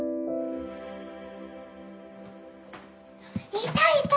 いたいた！